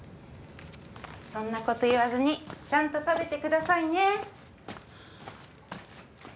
そんな事言わずにちゃんと食べてくださいね。